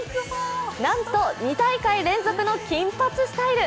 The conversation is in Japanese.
なんと２大会連続の金髪スタイル。